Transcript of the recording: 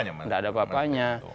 tidak ada apa apanya